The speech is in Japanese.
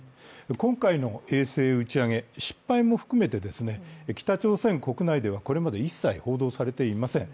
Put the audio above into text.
今回の衛星打ち上げ、失敗も含めて北朝鮮国内ではこれまで一切報道されていません。